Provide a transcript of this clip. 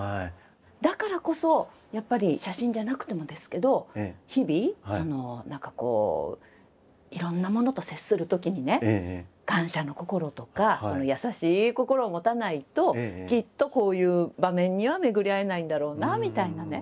だからこそやっぱり写真じゃなくてもですけど日々何かこういろんなものと接するときにね感謝の心とか優しい心を持たないときっとこういう場面には巡り会えないんだろうなみたいなね。